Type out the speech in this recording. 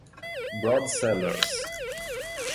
Brad Sellers